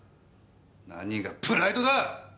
何がプライドだ！！